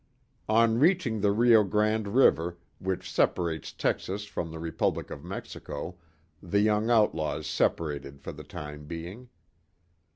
On reaching the Rio Grande river, which separates Texas from the Republic of Mexico, the young outlaws separated for the time being.